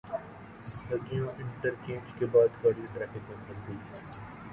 Saggian interchange کے بعد گاڑی ٹریفک میں پھنس گئی۔